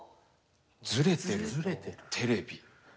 「ズレてるテレビ」。